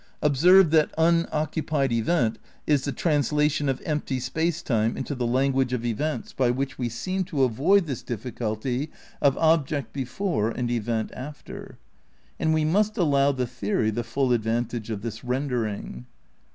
Observe that "unoccupied event" is the translation of empty space time into the language of events by which we seem to avoid this difficulty of object before and event after; and we must allow the theory the full advantage of this rendering.